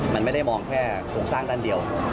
มันไม่ได้มองแค่โครงสร้างด้านเดียว